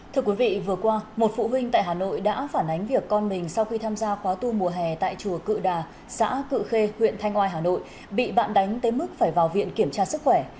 thưa quý vị vừa qua một phụ huynh tại hà nội đã phản ánh việc con mình sau khi tham gia khóa tu mùa hè tại chùa cự đà xã cự khê huyện thanh oai hà nội bị bạn đánh tới mức phải vào viện kiểm tra sức khỏe